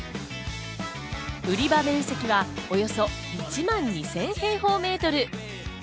売り場面積はおよそ１万２０００平方メートル。